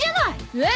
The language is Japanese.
えっ？